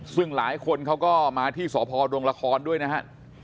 ซึ่งหลายคนเขาก็มาที่สพดงละครด้วยนะฮะ